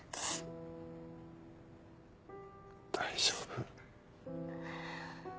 大丈夫。